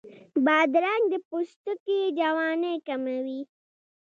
بادرنګ د پوستکي جوانۍ کموي.